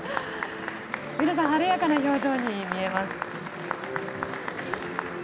皆さん晴れやかな表情に見えます。